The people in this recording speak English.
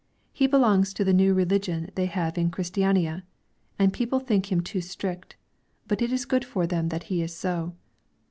He belongs to the new religion they have in Christiania, and people think him too strict, but it is good for them that he is so.